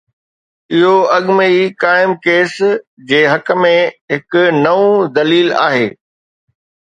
اهو اڳ ۾ ئي قائم ڪيس جي حق ۾ هڪ نئون دليل آهي.